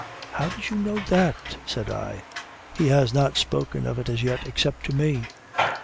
"'How did you know that?' said I; 'he has not spoken of it as yet except to me.